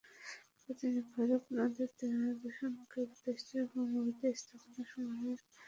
এরপর তিনি ভৈরব নদের দূষণকারী প্রতিষ্ঠান এবং অবৈধ স্থাপনাসমূহ সরেজমিনে ঘুরে দেখেন।